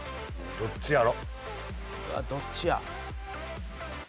どっちやろ？